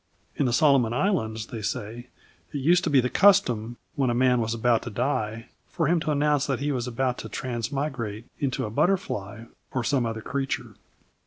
In the Solomon Islands, they say, it used to be the custom, when a man was about to die, for him to announce that he was about to transmigrate into a butterfly or some other creature.